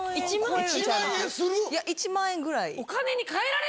１万円ぐらい？